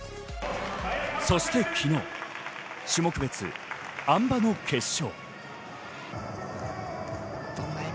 そして昨日、種目別あん馬の決勝。